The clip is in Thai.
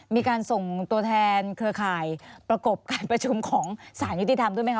มีการส่งตัวแทนเครือข่ายประกบการประชุมของสารยุติธรรมด้วยไหมค